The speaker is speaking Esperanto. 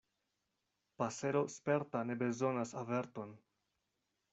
Pasero sperta ne bezonas averton.